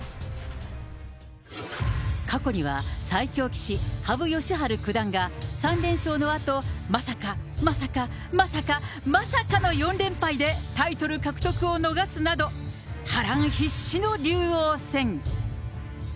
過去には、最強棋士、羽生善治九段が、３連勝のあと、まさか、まさか、まさか、まさかの４連敗で、タイトル獲得を逃すなど、波乱必至の竜王戦。